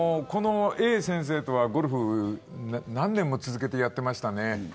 Ａ先生とはゴルフ何年も続けてやっていましたね。